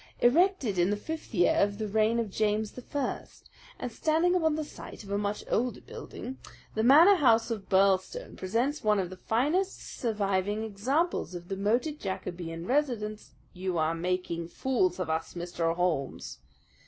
'Erected in the fifth year of the reign of James I, and standing upon the site of a much older building, the Manor House of Birlstone presents one of the finest surviving examples of the moated Jacobean residence '" "You are making fools of us, Mr. Holmes!"